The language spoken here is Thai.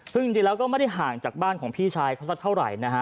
ซึ่งจริงแล้วก็ไม่ได้ห่างจากบ้านของพี่ชายเขาสักเท่าไหร่นะฮะ